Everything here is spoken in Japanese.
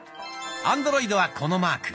アンドロイドはこのマーク。